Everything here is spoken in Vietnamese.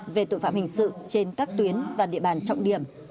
về tội phạm hình sự trên các tuyến và địa bàn trọng điểm